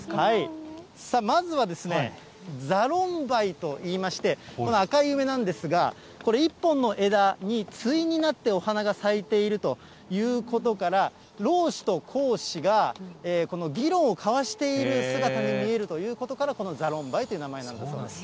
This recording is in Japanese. まずは座論梅といいまして、この赤い梅なんですが、これ、１本の枝についになってお花が咲いているということから、老子と孔子が議論を交わしている姿に見えるということから、この座論梅という名前なんだそうです。